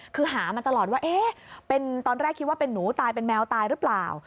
คือหามาตลอดว่าตอนแรกคิดว่าเป็นหนูตายเป็นแมวตายหรือเปล่า